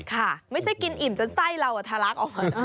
ค่ะไม่ใช่กินอิ่มจนไส้เราทะลักออกมา